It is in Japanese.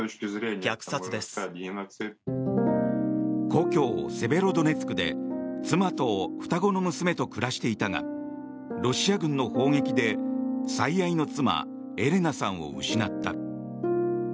故郷セベロドネツクで妻と双子の娘と暮らしていたがロシア軍の砲撃で最愛の妻、エレナさんを失った。